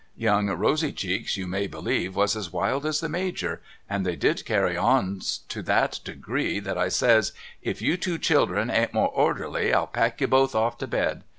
Young Rosy cheeks you may believe was as wild as the Major, and they did carry on to that degree that I says ' If you two children ain't more orderly I'll pack you both off to bed.'